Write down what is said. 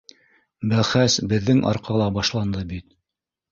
Бәхәс беҙҙең арҡала башланды бит.